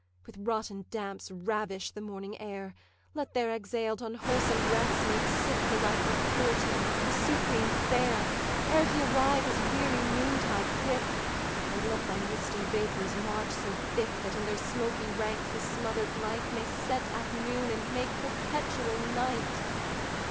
'With rotten damps ravish the morning air; Let their exhaled unwholesome breaths make sick The life of purity, the supreme fair, Ere he arrive his weary noon tide prick; And let thy misty vapours march so thick, That in their smoky ranks his smother'd light May set at noon and make perpetual night.